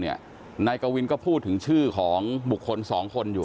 นายกวินก็พูดถึงชื่อของบุคคล๒คนอยู่